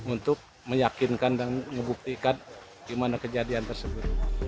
untuk meyakinkan dan ngebuktikan gimana kejadian tersebut